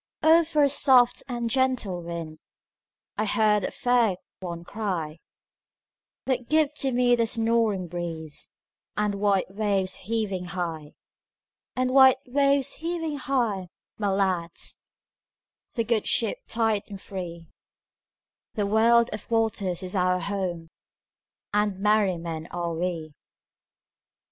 "O for a soft and gentle wind!"I heard a fair one cry:But give to me the snoring breezeAnd white waves heaving high; And white waves heaving high, my lads, The good ship tight and free—The world of waters is our home, And merry men are we.